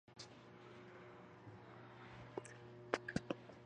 "Must" is used to give a strong recommendation or obligation.